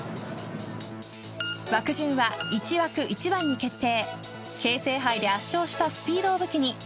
枠順は１枠１番に決定。